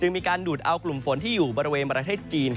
มีการดูดเอากลุ่มฝนที่อยู่บริเวณประเทศจีน